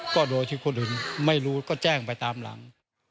ก็โดยที่คนอื่นไม่รู้ก็แจ้งไปตามหลัง